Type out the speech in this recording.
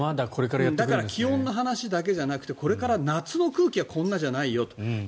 だから気温の話だけじゃなくてこれから夏の空気はこんなじゃないよと。